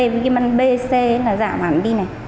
với cái băng b c là giảm hẳn đi này